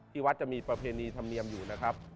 ที่วัดจะมีประเพณีธรรมเนียมอยู่นะครับ